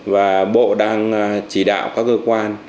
và bộ đang chỉ đạo các cơ quan